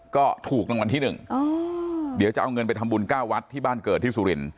ก็ถูกรางวัลที่๑เดี๋ยวจะเอาเงินไปทำบุญ๙วัดที่บ้านเกิดที่สุรินท